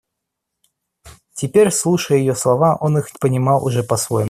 Теперь, слушая ее слова, он их понимал уже по-своему.